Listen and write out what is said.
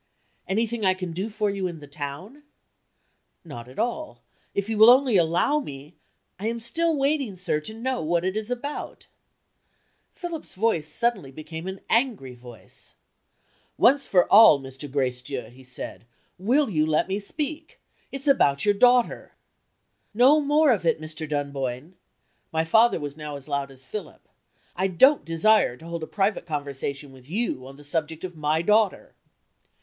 "Anything I can do for you in the town?" "Not at all. If you will only allow me " "I am still waiting, sir, to know what it is about." Philip's voice suddenly became an angry voice. "Once for all, Mr. Gracedieu," he said, "will you let me speak? It's about your daughter " "No more of it, Mr. Dunboyne!" (My father was now as loud as Philip.) "I don't desire to hold a private conversation with you on the subject of my daughter."